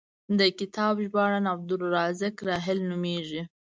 د کتاب ژباړن عبدالرزاق راحل نومېږي.